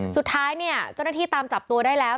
สุดท้ายเนี่ยเจ้าหน้าที่ตามจับตัวได้แล้ว